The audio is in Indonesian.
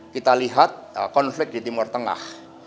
kita lihat konflik di timur tengah